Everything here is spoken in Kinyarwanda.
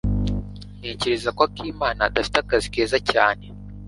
Ntekereza ko Akimana adafite akazi keza cyane.